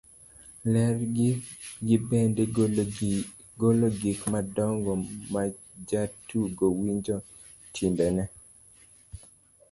ler gi bende golo gik madongo majatugo winjo, timbene